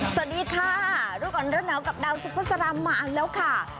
สวัสดีค่ะลูกอ่อนรถหนาวกับดาวซุภาษฎรามมาอันแล้วค่ะ